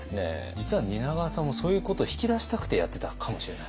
実は蜷川さんもそういうことを引き出したくてやってたかもしれない。